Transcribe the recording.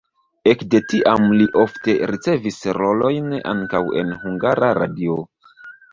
Ekde tiam li ofte ricevis rolojn ankaŭ en Hungara Radio.